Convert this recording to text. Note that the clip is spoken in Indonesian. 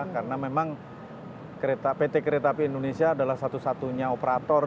karena memang pt kereta api indonesia adalah satu satunya operator